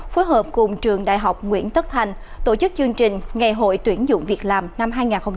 phối hợp cùng trường đại học nguyễn tất thành tổ chức chương trình ngày hội tuyển dụng việc làm năm hai nghìn hai mươi bốn